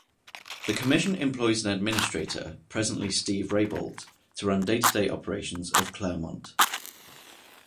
The commission employs an administrator, presently Steve Rabolt, to run day-to-day operations of Clermont.